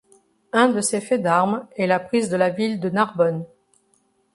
Un de ses faits d'armes est la prise de la ville de Narbonne.